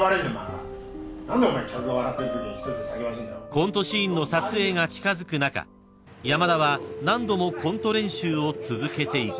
［コントシーンの撮影が近づく中山田は何度もコント練習を続けていく］